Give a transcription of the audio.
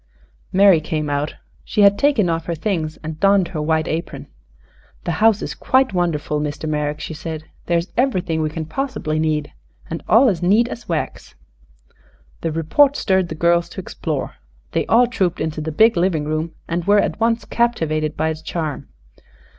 Mary came out. She had taken off her things and donned her white apron. "The house is quite wonderful, Mr. Merrick," she said. "There is everything we can possibly need, and all as neat as wax." The report stirred the girls to explore. They all trooped into the big living room and were at once captivated by its charm.